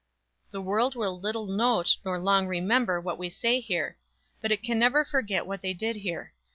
"The world will little note nor long remember what we say here, but it can never forget what they did here.